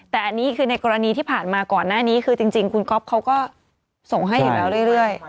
แต่อันนี้คือในกรณีที่ผ่านมาก่อนหน้านี้คือจริงคุณก๊อฟเขาก็ส่งให้อยู่แล้วเรื่อย